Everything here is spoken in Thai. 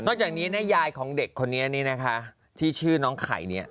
จากนี้นะยายของเด็กคนนี้นะคะที่ชื่อน้องไข่เนี่ย